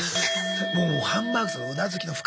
もうハンバーグさんのうなずきの深さ。